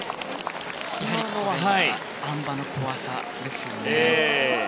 あん馬の怖さですよね。